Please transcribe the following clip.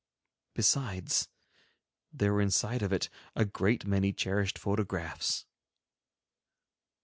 Besides, there were inside of it a great many cherished photographs.